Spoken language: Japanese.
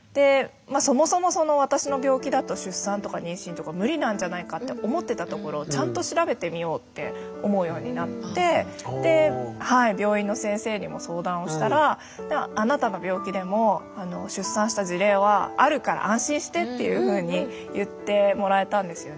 そもそもその私の病気だと出産とか妊娠とか無理なんじゃないかって思ってたところをちゃんと調べてみようって思うようになってで病院の先生にも相談をしたら「あなたの病気でも」。っていうふうに言ってもらえたんですよね。